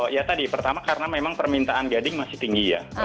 ya tadi pertama karena memang permintaan gading masih tinggi ya